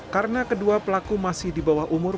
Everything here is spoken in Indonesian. karena kedua pelaku masih di bawah umur